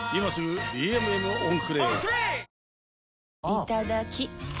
いただきっ！